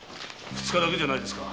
二日だけじゃないですか。